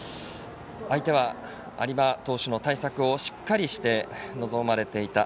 相手は有馬投手の対策をしっかりして臨まれていた。